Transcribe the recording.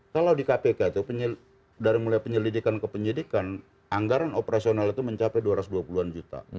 kalau di kpk itu dari mulai penyelidikan ke penyidikan anggaran operasional itu mencapai dua ratus dua puluh an juta